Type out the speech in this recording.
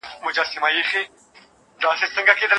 په دغو ناستو کي به د بیارغونې پر پروژو بحثونه کيدل.